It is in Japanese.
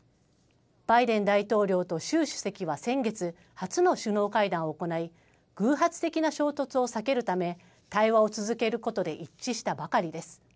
バイデン大統領と習主席は先月、初の首脳会談を行い、偶発的な衝突を避けるため、対話を続けることで一致したばかりです。